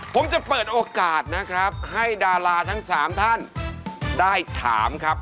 ผมจะเปิดโอกาสนะครับให้ดาราทั้ง๓ท่านได้ถามครับ